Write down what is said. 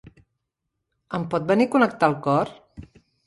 Em pot venir a connectar el cor?